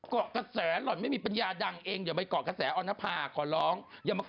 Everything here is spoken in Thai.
ก่อกกระแสในร่อนไม่มีปัญญาดังเองอย่าไปก่อกกระแสออณภาขอร้อง